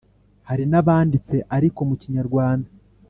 hari n’abanditse ariko mu kinyarwanda